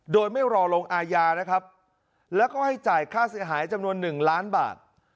โดยไม่รอลงอาญานะครับแล้วก็ให้จ่ายค่าเสียหายจำนวนหนึ่งล้านบาท